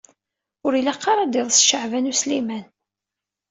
Ur ilaq ara ad d-iḍes Caɛban U Sliman.